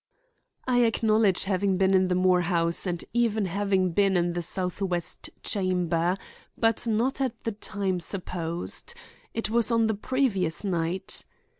"I acknowledge having been in the Moore house and even having been in its southwest chamber, but not at the time supposed. It was on the previous night."